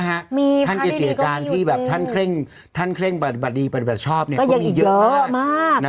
มีพระริดีก็มีอยู่จริงท่านเกียรติการที่แบบท่านเคร่งท่านเคร่งบรรดีบรรดีบรรดีชอบเนี่ยก็มีเยอะมากนะครับ